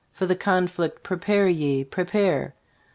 For the conflict prepare ye prepare